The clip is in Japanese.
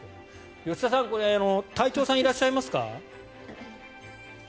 吉田さん隊長さんはいらっしゃいますか？